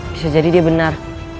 bisa jadi dia benar